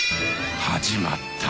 始まった。